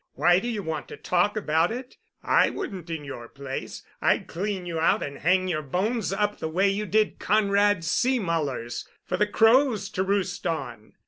Why do you want to talk about it? I wouldn't in your place. I'd clean you out and hang your bones up the way you did Conrad Seemuller's, for the crows to roost on."